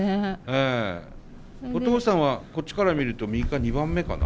お父さんはこっちから見ると右から２番目かな？